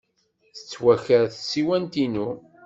Tettwaker tsiwant-inu.